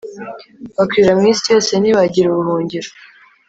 Bakwira mu isi yose, ntibagira ubuhungiro :